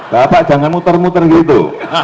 bapak jangan muter muter gitu